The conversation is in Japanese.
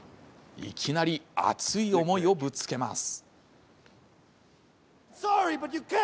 いきなり熱い思いをぶつけます。